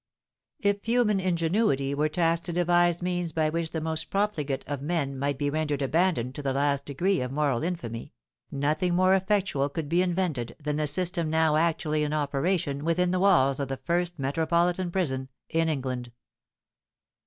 If human ingenuity were tasked to devise means by which the most profligate of men might be rendered abandoned to the last degree of moral infamy, nothing more effectual could be invented than the system now actually in operation within the walls of the first metropolitan prison in England!"